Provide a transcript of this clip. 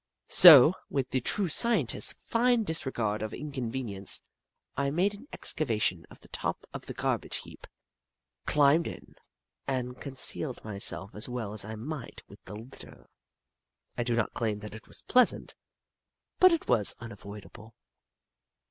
So, with the true Scientist's fine disregard of inconvenience, I made an excavation in the top of the garbage heap, chmbed in, and con cealed myself as well as I might with the lit ter. I do not claim that it was pleasant, but it was unavoidable.